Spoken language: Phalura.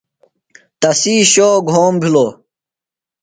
تسی شو گھوم بِھلوۡ۔